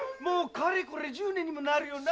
かれこれ十年になるよな。